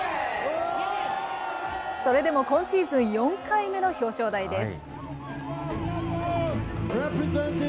それでも今シーズン４回目の表彰台です。